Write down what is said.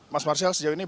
mas marshall sejauh ini